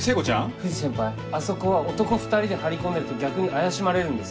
藤先輩あそこは男２人で張り込んでると逆に怪しまれるんです。